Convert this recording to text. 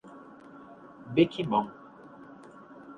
Bequimão